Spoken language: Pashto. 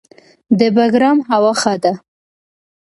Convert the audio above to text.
د بګرام هوا ښه ده